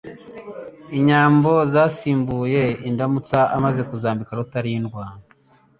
Inyambo zisimbuye IndamutsaAmaze kuzambika Rutarindwa